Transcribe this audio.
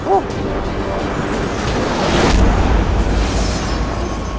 aku bunuh kau rangga soka